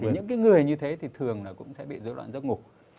những cái người như thế thì thường là cũng sẽ bị dối loạn giấc ngủ